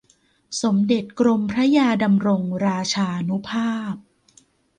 สมเด็จกรมพระยาดำรงราชานุภาพ